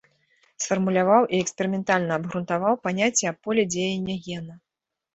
Сфармуляваў і эксперыментальна абгрунтаваў паняцце аб поле дзеяння гена.